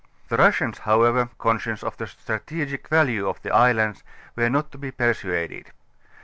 The Russians however, concious of the strategic value of the islands, were not to be persuaded.